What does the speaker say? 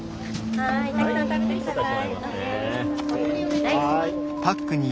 はいたくさん食べてください。